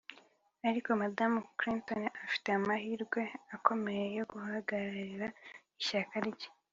ariko madamu Clinton afite amahirwe akomeye yo guhagararira ishyaka rye